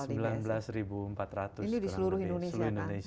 sembilan belas empat ratus kurang lebih ini di seluruh indonesia